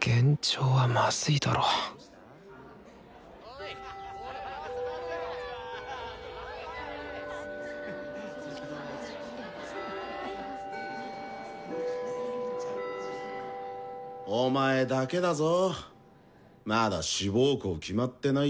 幻聴はまずいだろお前だけだぞまだ志望校決まってない奴。